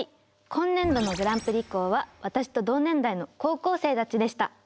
今年度のグランプリ校は私と同年代の高校生たちでした。